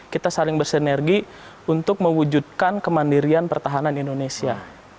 kita saling bersinergi untuk mewujudkan kemandirian pertahanan indonesia